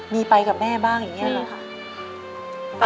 มีไปกับแม่บ้างอย่างนี้เหรอคะ